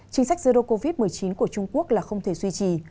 chính sách zero covid một mươi chín của trung quốc là không thể duy trì